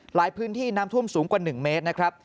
หลายพื้นที่น้ำท่วมสูงกว่า๑เมตรนะครับ